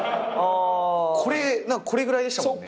これぐらいでしたもんね。